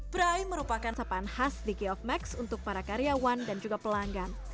bride merupakan persamaan khas di geof max untuk para karyawan dan juga pelanggan